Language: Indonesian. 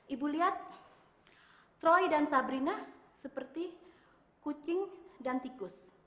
ibu lihat troy dan sabrinah seperti kucing dan tikus